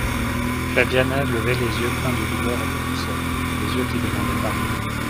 Flaviana levait des yeux pleins de douleur et de douceur, des yeux qui demandaient pardon.